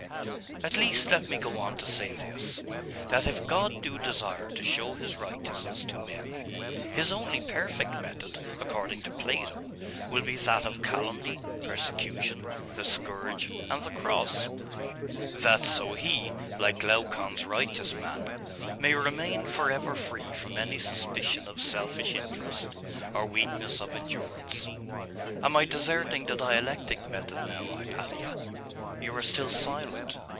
At least let me go on to say this, that if God do desire to show His righteousness to men, His only perfect method, according to Plato, will be that of calumny, persecution, the scourge, and the cross, that so He, like Glaucon's righteous man, may remain for ever free from any suspicion of selfish interest, or weakness of endurance.... Am I deserting the dialectic method now, Hypatia?.... You are still silent?